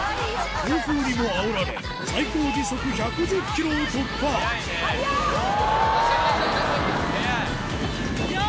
強風にもあおられ最高時速１１０キロを突破来た来た来た！